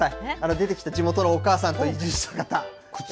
出てきた地元のお母さんと移住者が。